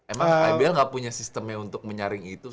emang ibl nggak punya sistemnya untuk menyaring itu